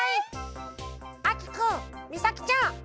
あきくんみさきちゃん。